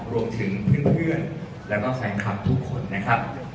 รวมถึงเพื่อนแล้วก็แฟนคลับทุกคนนะครับ